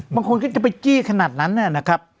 บางคนก็จะไปจี้ขนาดนั้นนะครับ